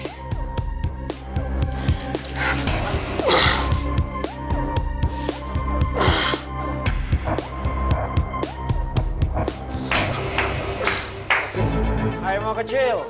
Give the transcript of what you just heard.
hai mau kecil